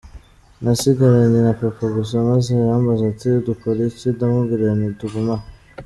Nasigaranye na Papa gusa maze arambaza ati ‘dukore iki?’ ndamubwira nti ‘tugume hano.